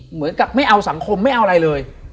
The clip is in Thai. เหมือนกับไม่เอาสังคมไม่เอาอะไรเลย